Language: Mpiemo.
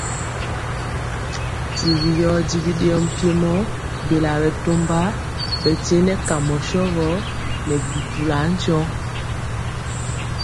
Tiri yɔ di bidɛɛɔ mpiemo biela bɛtɔmba bɛ tyenɛ kamɔ shɔgɔ nɛ bi mpulɔ tyɔŋ.